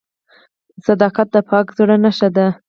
• صداقت د پاک زړه نښه ده.